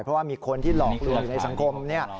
เพราะว่ามีคนที่หลอกลวงอยู่ในสังคมเนี่ย